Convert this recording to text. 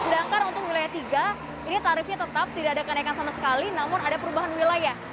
sedangkan untuk wilayah tiga ini tarifnya tetap tidak ada kenaikan sama sekali namun ada perubahan wilayah